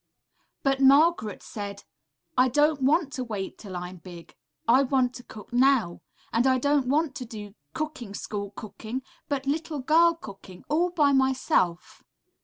'' But Margaret said, ``I don't want to wait till I'm big; I want to cook now; and I don't want to do cooking school cooking, but little girl cooking, all by myself.''